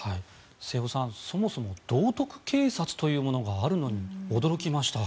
瀬尾さん、そもそも道徳警察というものがあるのに驚きました。